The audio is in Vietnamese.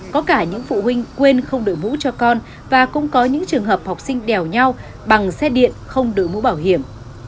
có cả những phụ huynh quên không đổi mũ cho con và cũng có những trường hợp học sinh đèo nhau bằng xe điện không đổi mũ bảo hiểm